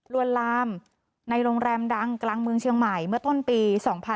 วนลามในโรงแรมดังกลางเมืองเชียงใหม่เมื่อต้นปี๒๕๕๙